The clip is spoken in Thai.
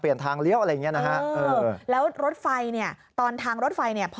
เปลี่ยนทางเลี้ยวอะไรอย่างนี้นะแล้วรถไฟเนี่ยตอนทางรถไฟเนี่ย